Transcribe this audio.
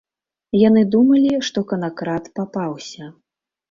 Яны думалі, што канакрад папаўся.